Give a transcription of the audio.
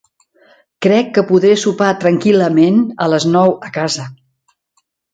Crec que podré sopar tranquil·lament a les nou a casa.